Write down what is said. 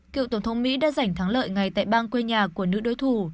cựu tổng thống mỹ đã giành thắng lợi ngay tại bang quê nhà của nữ đối thủ